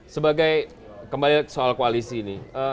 sebagai kembali soal koalisi ini